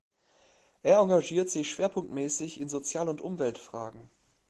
Er engagiert sich schwerpunktmäßig in Sozial- und Umweltfragen.